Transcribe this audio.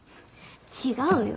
違うよ。